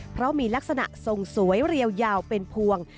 เพราะมีลักษณะทรงสวยเรียวยาวเป็นพวง